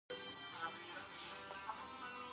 زردالو د افغانستان د شنو سیمو یوه طبیعي ښکلا ده.